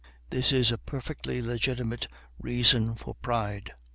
This is a perfectly legitimate reason for pride.